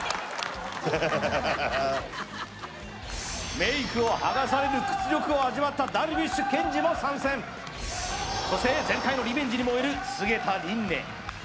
メイクを剥がされる屈辱を味わった樽美酒研二も参戦そして前回のリベンジに燃える菅田琳寧